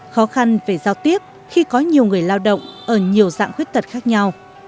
khó khăn về giao tiếp khi có nhiều người lao động ở nhiều dạng khuyết tật khác nhau